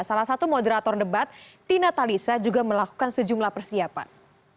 salah satu moderator debat tina talisa juga melakukan sejumlah persiapan